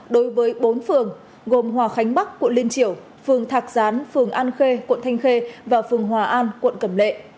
đối với bốn phường gồm hòa khánh bắc quận liên triểu phường thạc gián phường an khê quận thanh khê và phường hòa an quận cẩm lệ